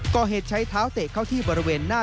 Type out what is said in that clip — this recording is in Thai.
ก่อเหตุใช้เท้าเตะเข้าที่บริเวณหน้า